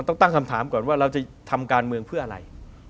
ต้องตั้งคำถามก่อนว่าเราจะทำการเมืองเพื่ออะไร